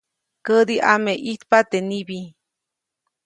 Kädi ʼame ʼijtapa teʼ nibi.